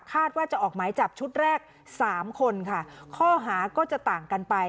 ว่าจะออกหมายจับชุดแรกสามคนค่ะข้อหาก็จะต่างกันไป